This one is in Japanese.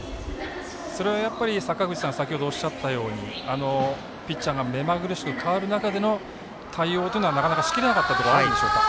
それは、坂口さんが先ほどおっしゃったようにピッチャーが目まぐるしく変わる中での対応というのはなかなかしきれなかったところはあるんでしょうか。